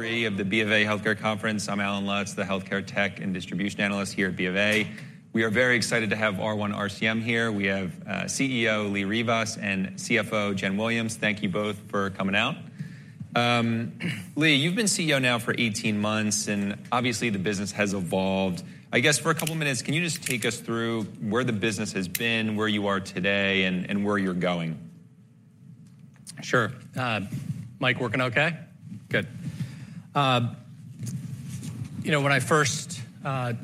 Three of the BofA Healthcare Conference. I'm Allen Lutz, the Healthcare Tech and Distribution Analyst here at BofA. We are very excited to have R1 RCM here. We have CEO Lee Rivas and CFO Jen Williams. Thank you both for coming out. Lee, you've been CEO now for 18 months, and obviously the business has evolved. I guess, for a couple minutes, can you just take us through where the business has been, where you are today, and, and where you're going? Sure, mic working okay? Good. You know, when I first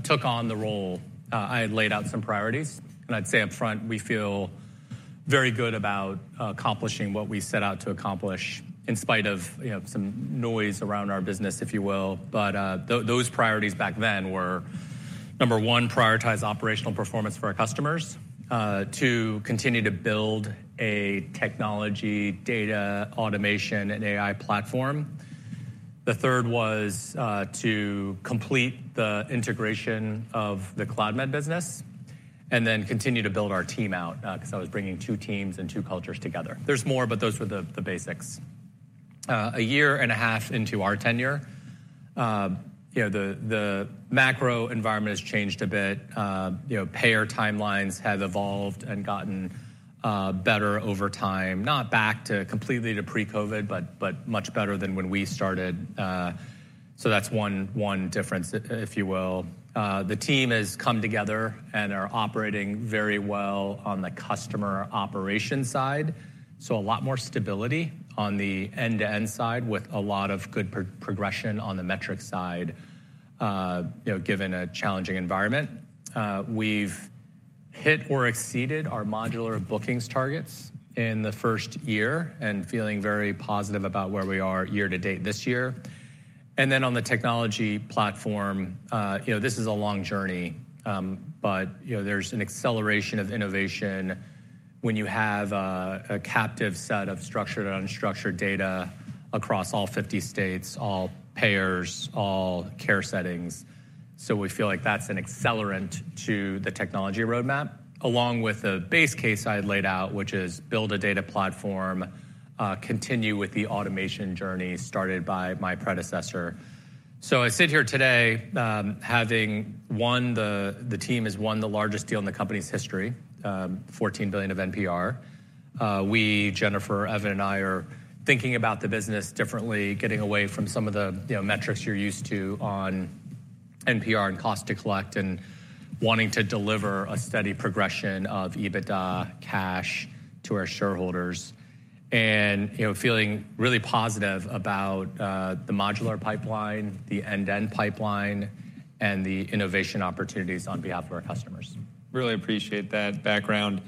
took on the role, I had laid out some priorities, and I'd say upfront, we feel very good about accomplishing what we set out to accomplish in spite of, you know, some noise around our business, if you will. But those priorities back then were, number one, prioritize operational performance for our customers. Two, continue to build a technology, data, automation, and AI platform. The third was to complete the integration of the Cloudmed business and then continue to build our team out, 'cause I was bringing two teams and two cultures together. There's more, but those were the basics. A year and a half into our tenure, you know, the macro environment has changed a bit. You know, payer timelines have evolved and gotten better over time. Not back completely to pre-COVID, but much better than when we started. So that's one difference, if you will. The team has come together and are operating very well on the customer operations side, so a lot more stability on the end-to-end side, with a lot of good progression on the metric side, you know, given a challenging environment. We've hit or exceeded our modular bookings targets in the first year and feeling very positive about where we are year to date this year. And then on the technology platform, you know, this is a long journey, but you know, there's an acceleration of innovation when you have a captive set of structured and unstructured data across all 50 states, all payers, all care settings. So we feel like that's an accelerant to the technology roadmap, along with a base case I had laid out, which is build a data platform, continue with the automation journey started by my predecessor. I sit here today, having won, the team has won the largest deal in the company's history, $14 billion of NPR. We, Jennifer, Evan, and I are thinking about the business differently, getting away from some of the, you know, metrics you're used to on NPR and cost to collect, and wanting to deliver a steady progression of EBITDA cash to our shareholders. You know, feeling really positive about the modular pipeline, the end-to-end pipeline, and the innovation opportunities on behalf of our customers. Really appreciate that background.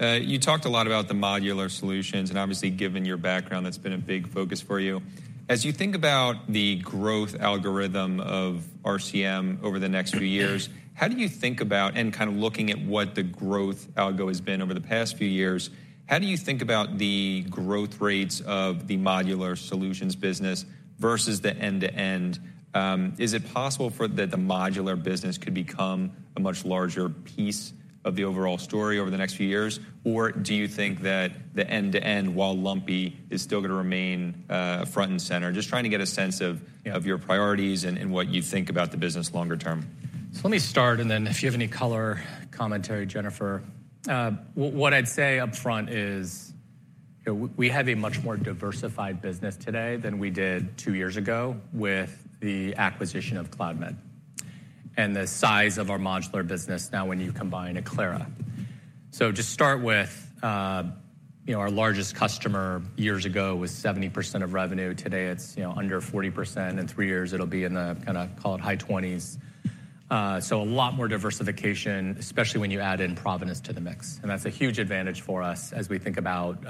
You talked a lot about the modular solutions, and obviously, given your background, that's been a big focus for you. As you think about the growth algorithm of RCM over the next few years, how do you think about, and kind of looking at what the growth algo has been over the past few years, how do you think about the growth rates of the modular solutions business versus the end-to-end? Is it possible for, that the modular business could become a much larger piece of the overall story over the next few years? Or do you think that the end-to-end, while lumpy, is still gonna remain, front and center? Just trying to get a sense of, of your priorities and, and what you think about the business longer term. So let me start, and then if you have any color commentary, Jennifer. What I'd say upfront is, you know, we have a much more diversified business today than we did two years ago with the acquisition of Cloudmed and the size of our modular business now, when you combine Acclara. So just start with, you know, our largest customer years ago was 70% of revenue. Today, it's, you know, under 40%. In three years, it'll be in the kinda, call it, high 20s. So a lot more diversification, especially when you add in Providence to the mix, and that's a huge advantage for us as we think about,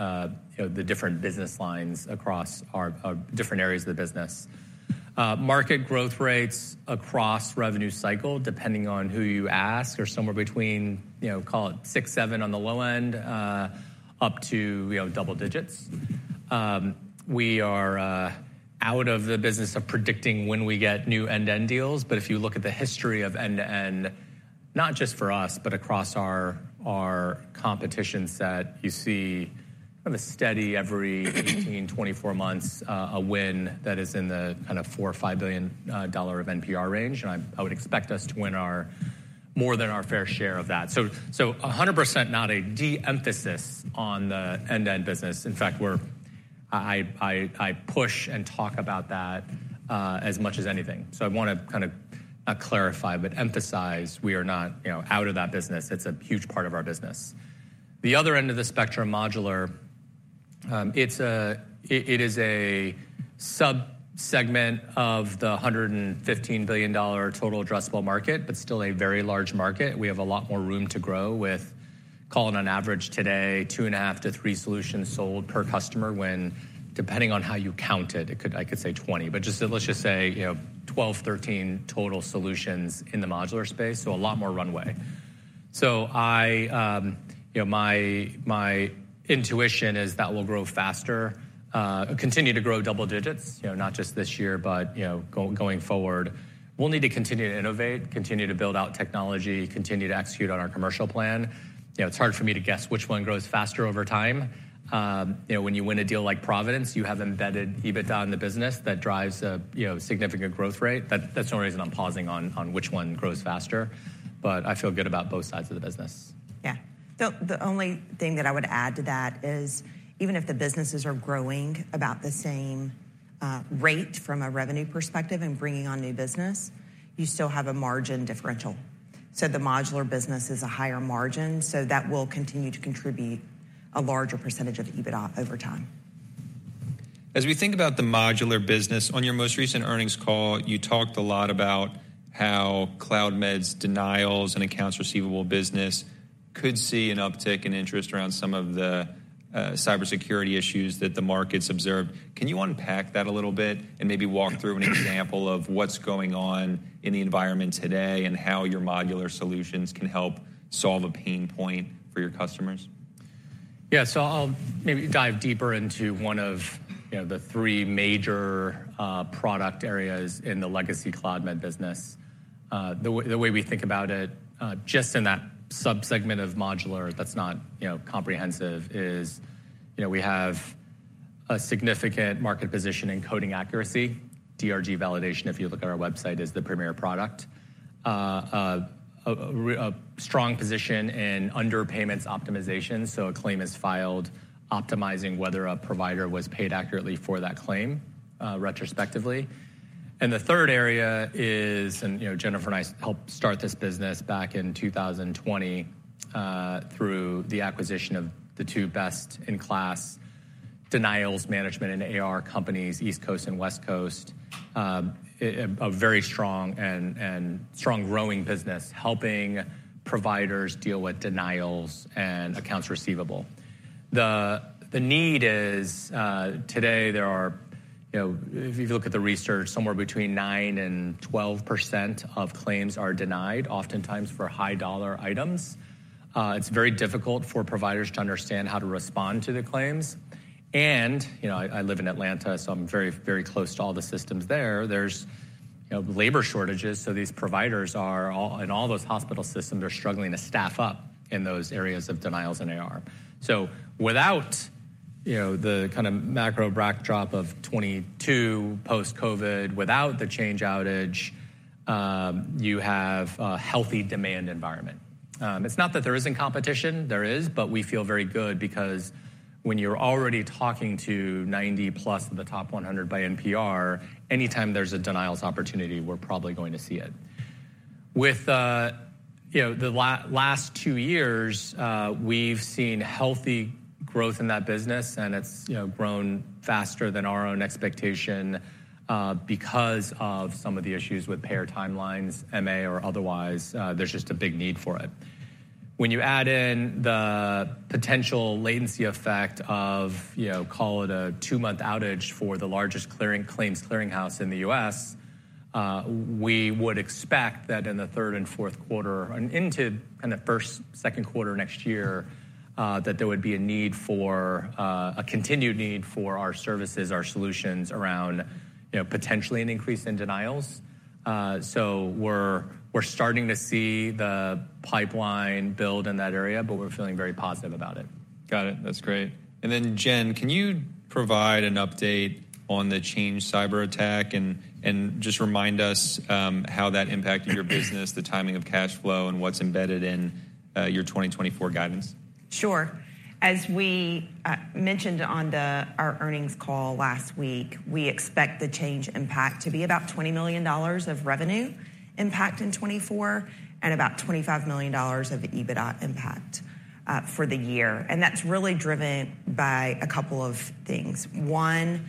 you know, the different business lines across our different areas of the business. Market growth rates across revenue cycle, depending on who you ask, are somewhere between, you know, call it six to seven on the low end, up to, you know, double digits. We are out of the business of predicting when we get new end-to-end deals, but if you look at the history of end-to-end, not just for us, but across our competition set, you see kind of a steady, every 18-24 months, a win that is in the kind of $4 billion or $5 billion of NPR range, and I would expect us to win our more than our fair share of that. So, 100% not a de-emphasis on the end-to-end business. In fact, we're. I push and talk about that as much as anything. So I want to kind of clarify but emphasize we are not, you know, out of that business. It's a huge part of our business. The other end of the spectrum, modular, it's a sub-segment of the $115 billion total addressable market, but still a very large market. We have a lot more room to grow with, call it on average today, 2.5 to three solutions sold per customer, when, depending on how you count it, I could say 20, but just let's just say, you know, 12, 13 total solutions in the modular space, so a lot more runway. So I, you know, my, my intuition is that will grow faster, continue to grow double digits, you know, not just this year, but, you know, going forward. We'll need to continue to innovate, continue to build out technology, continue to execute on our commercial plan. You know, it's hard for me to guess which one grows faster over time. You know, when you win a deal like Providence, you have embedded EBITDA in the business that drives a, you know, significant growth rate. That, that's the only reason I'm pausing on, on which one grows faster, but I feel good about both sides of the business. Yeah. The only thing that I would add to that is even if the businesses are growing about the same rate from a revenue perspective and bringing on new business, you still have a margin differential. So the modular business is a higher margin, so that will continue to contribute a larger percentage of EBITDA over time. As we think about the modular business, on your most recent earnings call, you talked a lot about how Cloudmed's denials and accounts receivable business could see an uptick in interest around some of the cybersecurity issues that the market's observed. Can you unpack that a little bit and maybe walk through an example of what's going on in the environment today, and how your modular solutions can help solve a pain point for your customers? Yeah. So I'll maybe dive deeper into one of, you know, the three major product areas in the legacy Cloudmed business. The way we think about it, just in that subsegment of modular that's not, you know, comprehensive, is, you know, we have a significant market position in coding accuracy. DRG validation, if you look at our website, is the premier product. A strong position in underpayments optimization, so a claim is filed optimizing whether a provider was paid accurately for that claim, retrospectively. And the third area is, and, you know, Jennifer and I helped start this business back in 2020, through the acquisition of the two best-in-class denials management and AR companies, East Coast and West Coast. A very strong and strong growing business, helping providers deal with denials and accounts receivable. The need is today there are, you know, if you look at the research, somewhere between 9% and 12% of claims are denied, oftentimes for high-dollar items. It's very difficult for providers to understand how to respond to the claims. And, you know, I live in Atlanta, so I'm very, very close to all the systems there. There's, you know, labor shortages, so these providers are all in all those hospital systems are struggling to staff up in those areas of denials and AR. So without, you know, the kind of macro backdrop of 2022 post-COVID, without the Change outage, you have a healthy demand environment. It's not that there isn't competition, there is, but we feel very good because when you're already talking to 90+ of the top 100 by NPR, anytime there's a denials opportunity, we're probably going to see it. With you know, the last two years, we've seen healthy growth in that business, and it's, you know, grown faster than our own expectation because of some of the issues with payer timelines, MA or otherwise, there's just a big need for it. When you add in the potential latency effect of, you know, call it a two-month outage for the largest claims clearinghouse in the U.S., we would expect that in the third and fourth quarter and into the first, second quarter next year, that there would be a need for a continued need for our services, our solutions around, you know, potentially an increase in denials. So we're starting to see the pipeline build in that area, but we're feeling very positive about it. Got it. That's great. And then, Jen, can you provide an update on the Change cyberattack and just remind us how that impacted your business, the timing of cash flow, and what's embedded in your 2024 guidance? Sure. As we mentioned on our earnings call last week, we expect the Change impact to be about $20 million of revenue impact in 2024, and about $25 million of EBITDA impact for the year. And that's really driven by a couple of things. One,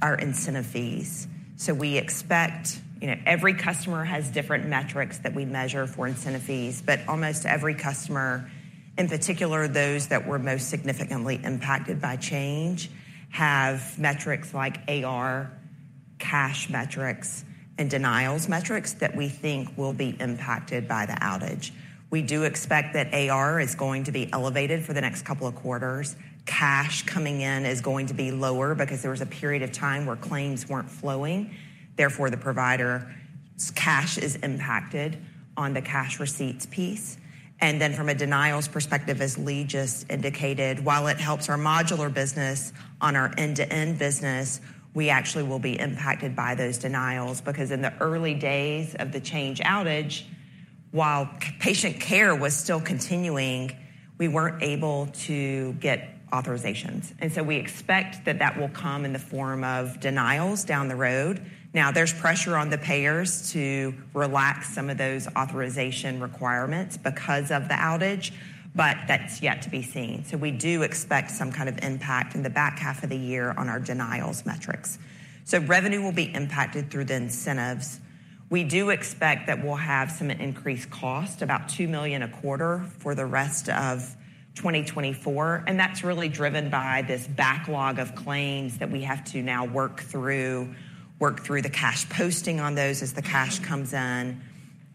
our incentive fees. So we expect. You know, every customer has different metrics that we measure for incentive fees, but almost every customer, in particular, those that were most significantly impacted by Change, have metrics like AR, cash metrics, and denials metrics that we think will be impacted by the outage. We do expect that AR is going to be elevated for the next couple of quarters. Cash coming in is going to be lower because there was a period of time where claims weren't flowing. Therefore, the provider's cash is impacted on the cash receipts piece. And then from a denials perspective, as Lee just indicated, while it helps our modular business, on our end-to-end business, we actually will be impacted by those denials because in the early days of the Change outage, while patient care was still continuing, we weren't able to get authorizations. And so we expect that that will come in the form of denials down the road. Now, there's pressure on the payers to relax some of those authorization requirements because of the outage, but that's yet to be seen. So we do expect some kind of impact in the back half of the year on our denials metrics. So revenue will be impacted through the incentives. We do expect that we'll have some increased cost, about $2 million a quarter, for the rest of 2024, and that's really driven by this backlog of claims that we have to now work through, work through the cash posting on those as the cash comes in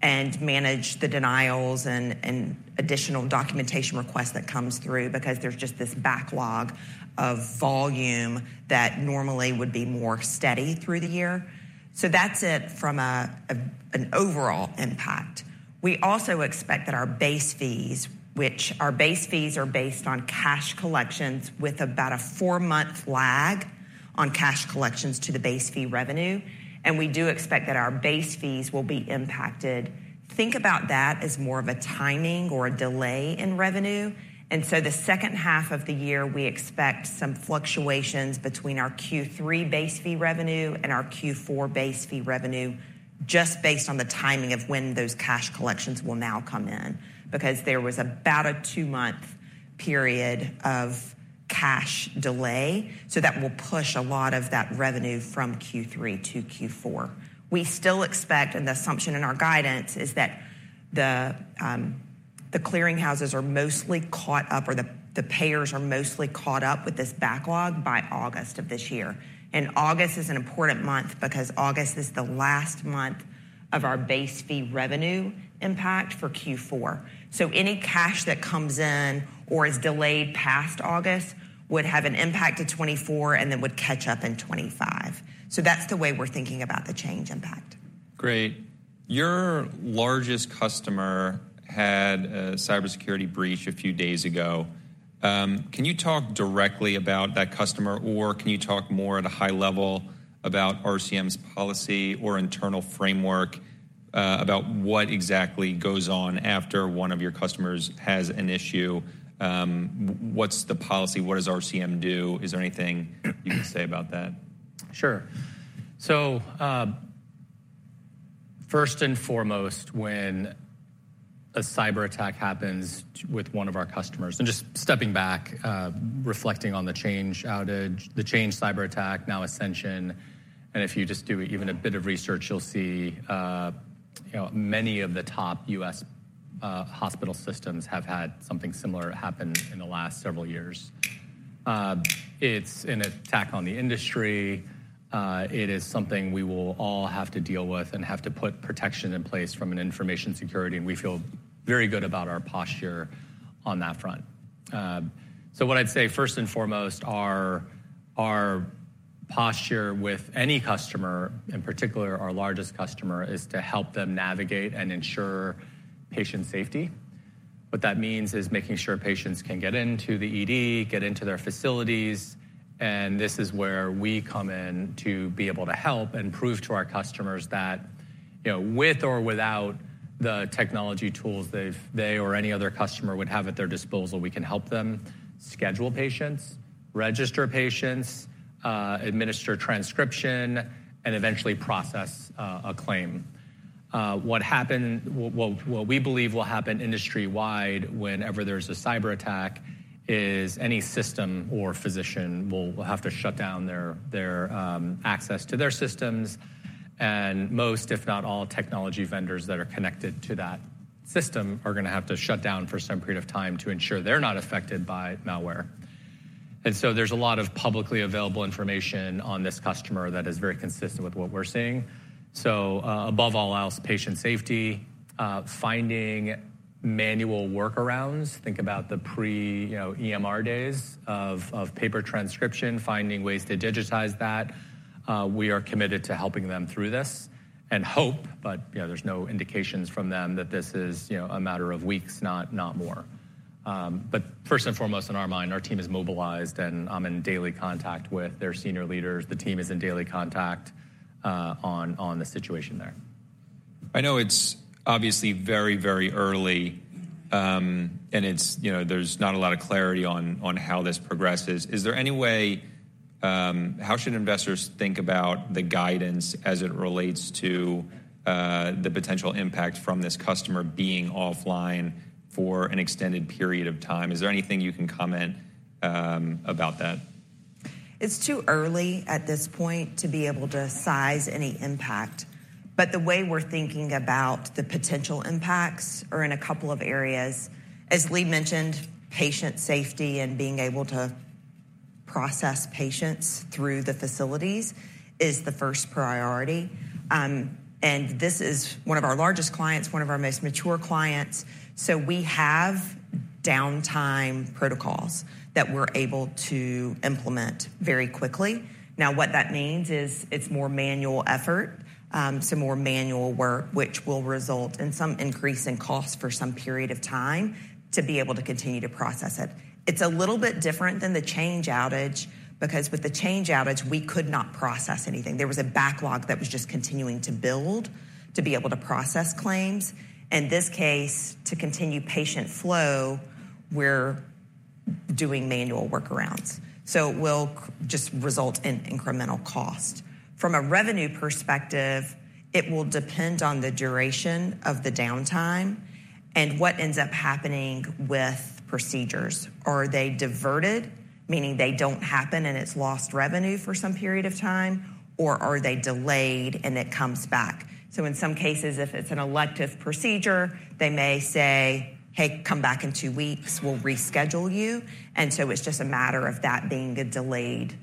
and maage the denials and additional documentation requests that comes through, because there's just this backlog of volume that normally would be more steady through the year. So that's it from an overall impact. We also expect that our base fees, which our base fees are based on cash collections with about a four-month lag on cash collections to the base fee revenue, and we do expect that our base fees will be impacted. Think about that as more of a timing or a delay in revenue. And so the second half of the year, we expect some fluctuations between our Q3 base fee revenue and our Q4 base fee revenue, just based on the timing of when those cash collections will now come in, because there was about a two-month period of cash delay. So that will push a lot of that revenue from Q3 to Q4. We still expect, and the assumption in our guidance is that the clearinghouses are mostly caught up, or the payers are mostly caught up with this backlog by August of this year. And August is an important month because August is the last month of our base fee revenue impact for Q4. So any cash that comes in or is delayed past August would have an impact to 2024 and then would catch up in 2025. So that's the way we're thinking about the Change impact. Great. Your largest customer had a cybersecurity breach a few days ago. Can you talk directly about that customer, or can you talk more at a high level about RCM's policy or internal framework, about what exactly goes on after one of your customers has an issue? What's the policy? What does RCM do? Is there anything you can say about that? Sure. So, first and foremost, when a cyberattack happens with one of our customers. And just stepping back, reflecting on the Change outage, the Change cyberattack, now Ascension, and if you just do even a bit of research, you'll see, you know, many of the top U.S. hospital systems have had something similar happen in the last several years. It's an attack on the industry. It is something we will all have to deal with and have to put protection in place from an information security, and we feel very good about our posture on that front. So what I'd say, first and foremost, our, our posture with any customer, in particular our largest customer, is to help them navigate and ensure patient safety. What that means is making sure patients can get into the ED, get into their facilities, and this is where we come in to be able to help and prove to our customers that, you know, with or without the technology tools they've or any other customer would have at their disposal, we can help them schedule patients, register patients, administer transcription, and eventually process a claim. What we believe will happen industry-wide whenever there's a cyberattack is any system or physician will have to shut down their access to their systems, and most, if not all, technology vendors that are connected to that system are gonna have to shut down for some period of time to ensure they're not affected by malware. There's a lot of publicly available information on this customer that is very consistent with what we're seeing. So, above all else, patient safety, finding manual workarounds. Think about the pre, you know, EMR days of paper transcription, finding ways to digitize that. We are committed to helping them through this and hope, but, you know, there's no indications from them that this is, you know, a matter of weeks, not more. But first and foremost, in our mind, our team is mobilized, and I'm in daily contact with their senior leaders. The team is in daily contact on the situation there. I know it's obviously very, very early, and it's, you know, there's not a lot of clarity on, on how this progresses. Is there any way, how should investors think about the guidance as it relates to, the potential impact from this customer being offline for an extended period of time? Is there anything you can comment, about that? It's too early at this point to be able to size any impact, but the way we're thinking about the potential impacts are in a couple of areas. As Lee mentioned, patient safety and being able to process patients through the facilities is the first priority. This is one of our largest clients, one of our most mature clients, so we have downtime protocols that we're able to implement very quickly. Now, what that means is it's more manual effort, so more manual work, which will result in some increase in cost for some period of time to be able to continue to process it. It's a little bit different than the Change outage, because with the Change outage, we could not process anything. There was a backlog that was just continuing to build to be able to process claims. In this case, to continue patient flow, we're doing manual workarounds. So it will just result in incremental cost. From a revenue perspective, it will depend on the duration of the downtime and what ends up happening with procedures. Are they diverted, meaning they don't happen and it's lost revenue for some period of time, or are they delayed and it comes back? So in some cases, if it's an elective procedure, they may say, "Hey, come back in two weeks. We'll reschedule you." And so it's just a matter of that being a delayed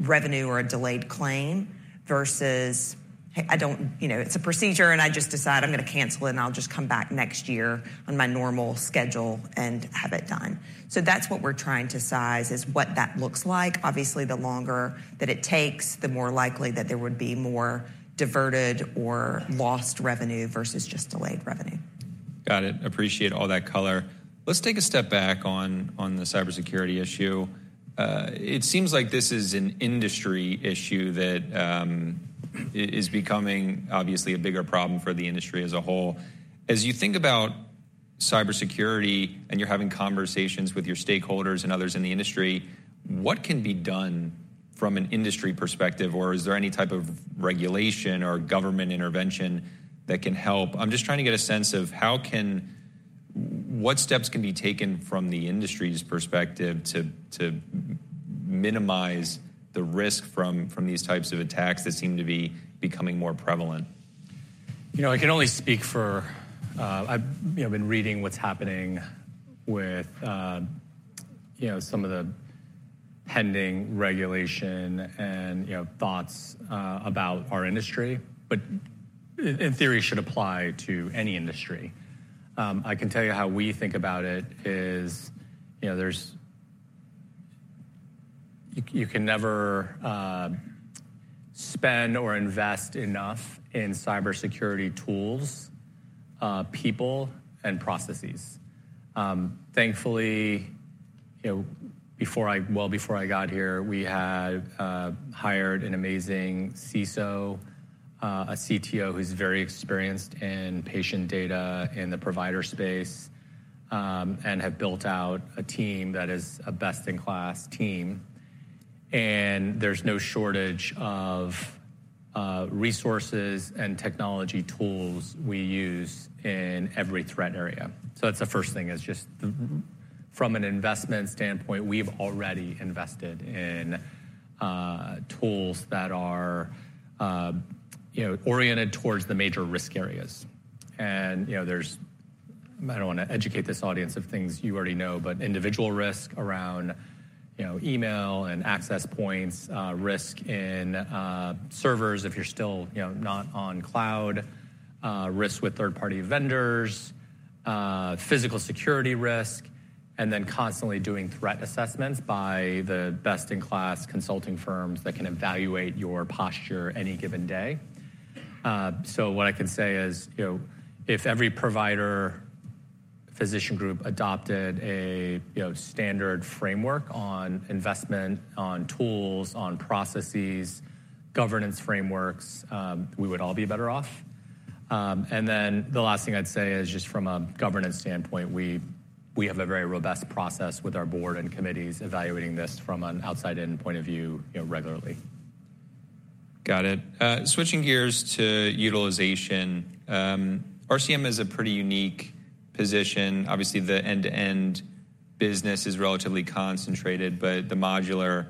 revenue or a delayed claim versus, hey, I don't, you know, it's a procedure, and I just decide I'm gonna cancel it, and I'll just come back next year on my normal schedule and have it done. So that's what we're trying to size, is what that looks like. Obviously, the longer that it takes, the more likely that there would be more diverted or lost revenue versus just delayed revenue. Got it. Appreciate all that color. Let's take a step back on the cybersecurity issue. It seems like this is an industry issue that is becoming obviously a bigger problem for the industry as a whole. As you think about cybersecurity, and you're having conversations with your stakeholders and others in the industry, what can be done from an industry perspective, or is there any type of regulation or government intervention that can help? I'm just trying to get a sense of what steps can be taken from the industry's perspective to minimize the risk from these types of attacks that seem to be becoming more prevalent. You know, I can only speak for, I've, you know, been reading what's happening with, you know, some of the pending regulation and, you know, thoughts, about our industry, but in theory, should apply to any industry. I can tell you how we think about it is, you know, there's you can never spend or invest enough in cybersecurity tools, people and processes. Thankfully, you know, before I well, before I got here, we had hired an amazing CISO, a CTO who's very experienced in patient data in the provider space, and have built out a team that is a best-in-class team, and there's no shortage of resources and technology tools we use in every threat area. So that's the first thing, is just from an investment standpoint, we've already invested in, tools that are, you know, oriented towards the major risk areas. And, you know, there's I don't want to educate this audience of things you already know, but individual risk around, you know, email and access points, risk in, servers if you're still, you know, not on cloud, risk with third-party vendors, physical security risk, and then constantly doing threat assessments by the best-in-class consulting firms that can evaluate your posture any given day. So what I can say is, you know, if every provider, physician group adopted a, you know, standard framework on investment, on tools, on processes, governance frameworks, we would all be better off. And then the last thing I'd say is just from a governance standpoint, we have a very robust process with our board and committees evaluating this from an outside-in point of view, you know, regularly. Got it. Switching gears to utilization, RCM is a pretty unique position. Obviously, the end-to-end business is relatively concentrated, but the modular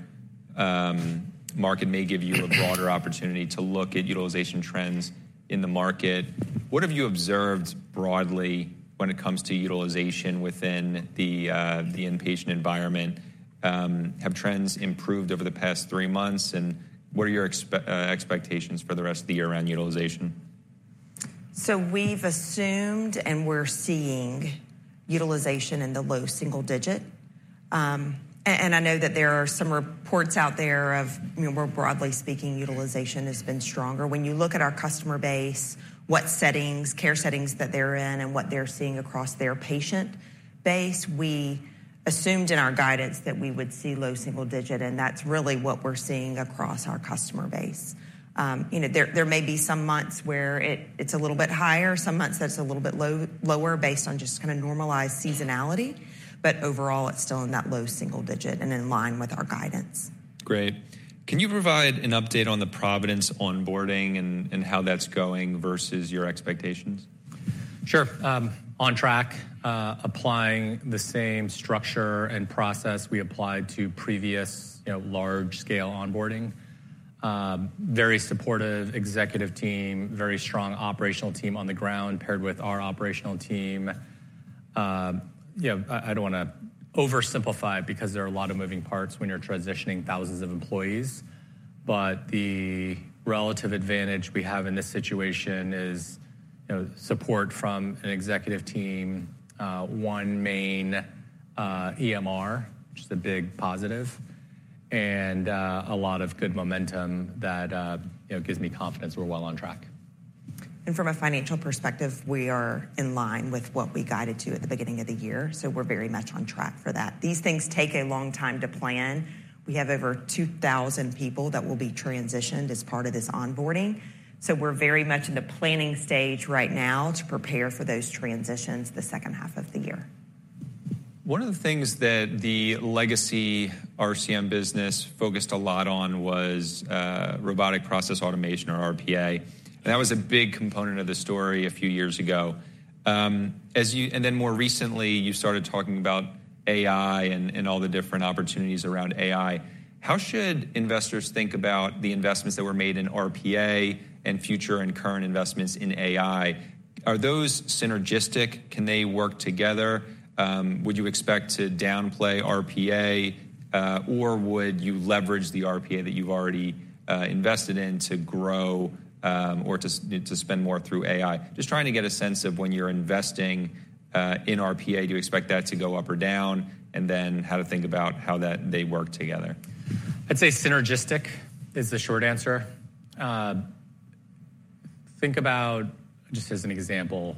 market may give you a broader opportunity to look at utilization trends in the market. What have you observed broadly when it comes to utilization within the inpatient environment? Have trends improved over the past three months, and what are your expectations for the rest of the year on utilization? So we've assumed, and we're seeing utilization in the low single digit. And I know that there are some reports out there of, you know, more broadly speaking, utilization has been stronger. When you look at our customer base, what settings, care settings that they're in and what they're seeing across their patient base, we assumed in our guidance that we would see low single digit, and that's really what we're seeing across our customer base. You know, there may be some months where it's a little bit higher, some months where it's a little bit low, lower based on just kind of normalized seasonality, but overall, it's still in that low single digit and in line with our guidance. Great. Can you provide an update on the Providence onboarding and how that's going versus your expectations? Sure. On track, applying the same structure and process we applied to previous, you know, large-scale onboarding. Very supportive executive team, very strong operational team on the ground, paired with our operational team. You know, I don't wanna oversimplify it because there are a lot of moving parts when you're transitioning thousands of employees, but the relative advantage we have in this situation is, you know, support from an executive team, one main EMR, which is a big positive, and a lot of good momentum that, you know, gives me confidence we're well on track. From a financial perspective, we are in line with what we guided to at the beginning of the year, so we're very much on track for that. These things take a long time to plan. We have over 2,000 people that will be transitioned as part of this onboarding, so we're very much in the planning stage right now to prepare for those transitions the second half of the year. One of the things that the legacy RCM business focused a lot on was robotic process automation or RPA, and that was a big component of the story a few years ago. And then more recently, you started talking about AI and all the different opportunities around AI. How should investors think about the investments that were made in RPA and future and current investments in AI? Are those synergistic? Can they work together? Would you expect to downplay RPA, or would you leverage the RPA that you've already invested in to grow or to spend more through AI? Just trying to get a sense of when you're investing in RPA, do you expect that to go up or down? And then how to think about how that they work together. I'd say synergistic is the short answer. Think about, just as an example,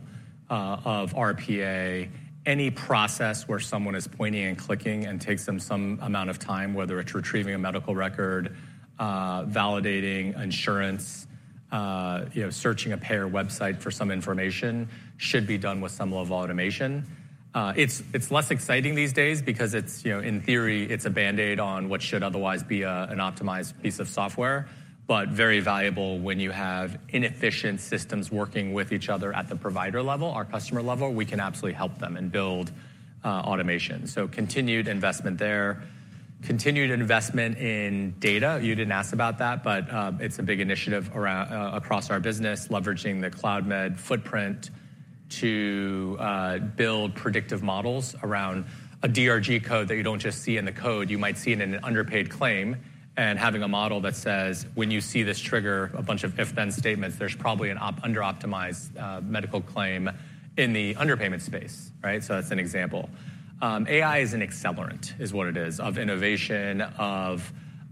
of RPA, any process where someone is pointing and clicking and takes them some amount of time, whether it's retrieving a medical record, validating insurance, you know, searching a payer website for some information, should be done with some level of automation. It's less exciting these days because it's, you know, in theory, a band-aid on what should otherwise be an optimized piece of software, but very valuable when you have inefficient systems working with each other at the provider level or customer level, we can absolutely help them and build automation. So continued investment there. Continued investment in data. You didn't ask about that, but it's a big initiative across our business, leveraging the Cloudmed footprint to build predictive models around a DRG code that you don't just see in the code. You might see it in an underpaid claim, and having a model that says, when you see this trigger, a bunch of if-then statements, there's probably an under optimized medical claim in the underpayment space, right? So that's an example. AI is an accelerant, is what it is, of innovation,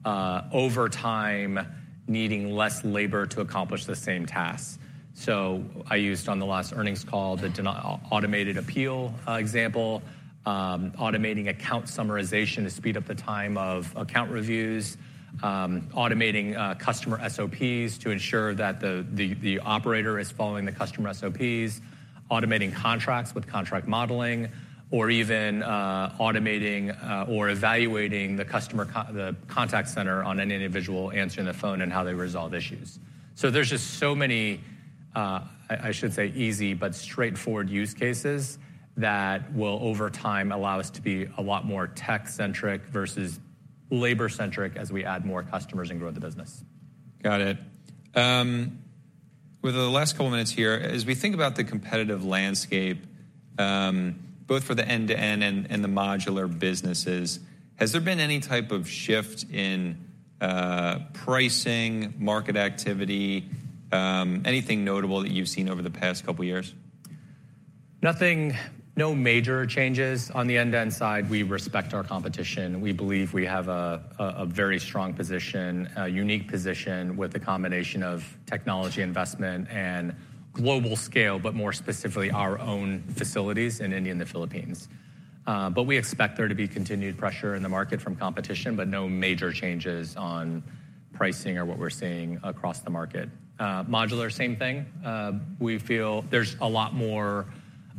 over time, needing less labor to accomplish the same tasks. So I used on the last earnings call, the denial automated appeal example, automating account summarization to speed up the time of account reviews, automating customer SOPs to ensure that the operator is following the customer SOPs, automating contracts with contract modeling, or even automating or evaluating the customer contact center on any individual answering the phone and how they resolve issues. So there's just so many, I should say, easy but straightforward use cases that will, over time, allow us to be a lot more tech-centric versus labor-centric as we add more customers and grow the business. Got it. With the last couple of minutes here, as we think about the competitive landscape, both for the end-to-end and the modular businesses, has there been any type of shift in pricing, market activity, anything notable that you've seen over the past couple of years? Nothing. No major changes on the end-to-end side. We respect our competition. We believe we have a very strong position, a unique position with a combination of technology investment and global scale, but more specifically, our own facilities in India and the Philippines. But we expect there to be continued pressure in the market from competition, but no major changes on pricing or what we're seeing across the market. Modular, same thing. We feel there's a lot more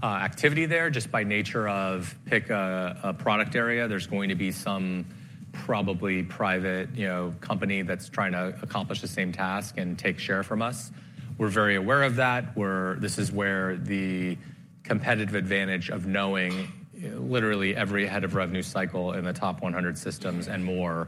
activity there just by nature of pick a product area. There's going to be some probably private, you know, company that's trying to accomplish the same task and take share from us. We're very aware of that, where this is where the competitive advantage of knowing literally every head of revenue cycle in the top 100 systems and more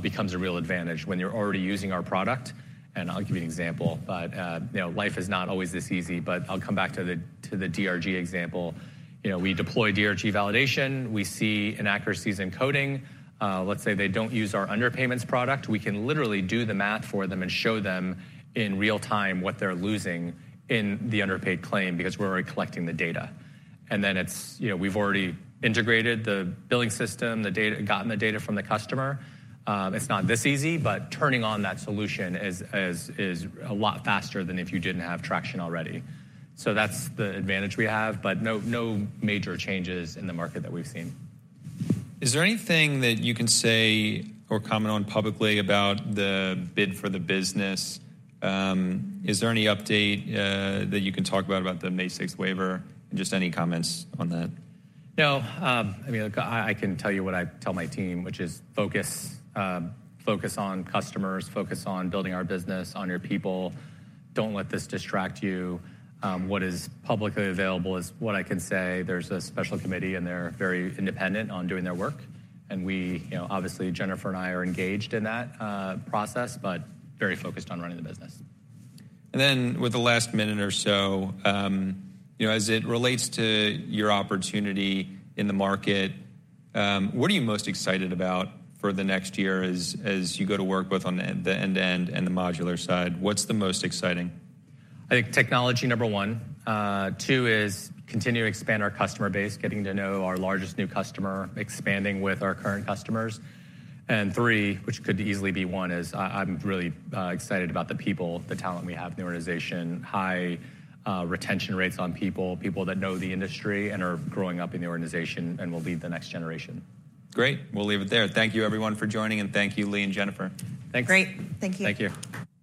becomes a real advantage when you're already using our product. And I'll give you an example, but you know, life is not always this easy, but I'll come back to the DRG example. You know, we deploy DRG validation, we see inaccuracies in coding. Let's say they don't use our underpayments product, we can literally do the math for them and show them in real time what they're losing in the underpaid claim because we're already collecting the data. And then it's, you know, we've already integrated the billing system, the data, gotten the data from the customer. It's not this easy, but turning on that solution is a lot faster than if you didn't have traction already. So that's the advantage we have, but no, no major changes in the market that we've seen. Is there anything that you can say or comment on publicly about the bid for the business? Is there any update that you can talk about, about the May 6th waiver? Just any comments on that. No. I mean, look, I can tell you what I tell my team, which is focus on customers, focus on building our business, on your people. Don't let this distract you. What is publicly available is what I can say. There's a special committee, and they're very independent on doing their work, and we, you know, obviously, Jennifer and I are engaged in that process, but very focused on running the business. And then with the last minute or so, you know, as it relates to your opportunity in the market, what are you most excited about for the next year as you go to work both on the end-to-end and the modular side, what's the most exciting? I think technology, number one. Two is continue to expand our customer base, getting to know our largest new customer, expanding with our current customers. And three, which could easily be one, is I'm really excited about the people, the talent we have in the organization. High retention rates on people, people that know the industry and are growing up in the organization and will lead the next generation. Great! We'll leave it there. Thank you, everyone, for joining, and thank you, Lee and Jennifer. Thanks. Great. Thank you. Thank you.